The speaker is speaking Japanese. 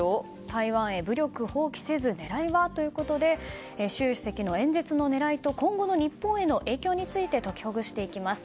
台湾へ武力放棄せず狙いはということで習主席の演説の狙いと今後の日本への影響について解きほぐしていきます。